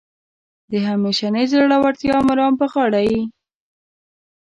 د همیشنۍ زړورتیا مرام په غاړه یې.